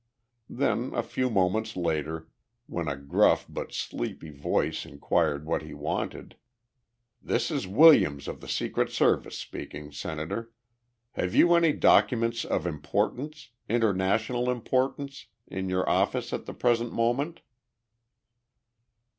Then, a few moments later, when a gruff but sleepy voice inquired what he wanted: "This is Williams of the Secret Service speaking, Senator. Have you any documents of importance international importance in your office at the present moment?"